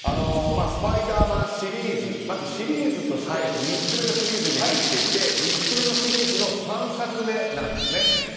「スパイダーマン」シリーズまずシリーズとして３つ目のシリーズに入っていて３つ目のシリーズの３作目なんですね。